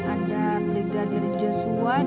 ada brigadir joshua